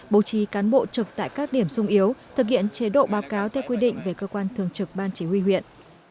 bố trí cán bộ trực tại các điểm sung yếu thực hiện chế độ báo cáo theo quy định về cơ quan thường trực ban chỉ huy huyện